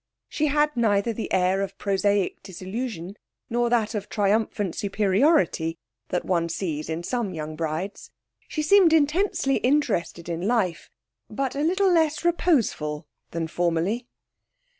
She had neither the air of prosaic disillusion nor that of triumphant superiority that one sees in some young brides. She seemed intensely interested in life, but a little less reposeful than formerly.